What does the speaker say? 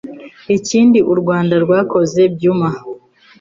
Ikindi u Rwanda rwakoze byuma